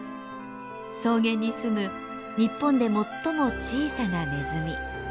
草原に住む日本で最も小さなネズミ。